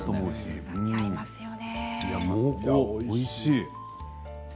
おいしい。